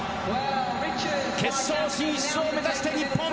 決勝進出を目指した日本。